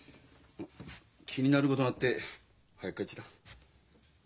気になることあって早く帰ってきた。